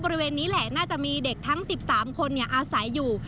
บริเวณนี้แหละน่าจะมีเด็กทั้ง๑๓คนอาศัยอยู่